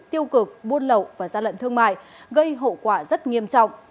tiêu cực buôn lậu và gian lận thương mại gây hậu quả rất nghiêm trọng